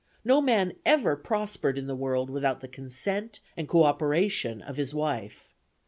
No man ever prospered in the world without the consent and coöperation of his wife.